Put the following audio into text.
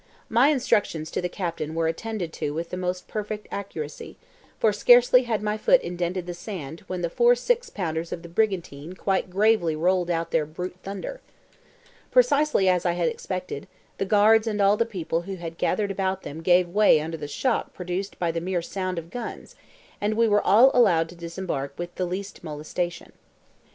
My instructions to the captain were attended to with the most perfect accuracy, for scarcely had my foot indented the sand when the four six pounders of the brigantine quite gravely rolled out their brute thunder. Precisely as I had expected, the guards and all the people who had gathered about them gave way under the shock produced by the mere sound of guns, and we were all allowed to disembark with the least molestation.